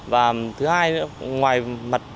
và thứ hai nữa ngoài về mặt nhân lực